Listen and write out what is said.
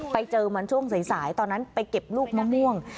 ไปเจอมันช่วงสายตอนนั้นไปเก็บลูกมะม่วง